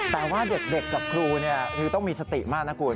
แต่ว่าเด็กกับครูคือต้องมีสติมากนะคุณ